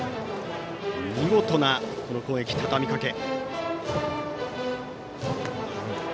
見事な攻撃、たたみかけ。